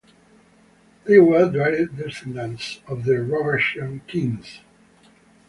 They were direct descendants of the Robertian kings.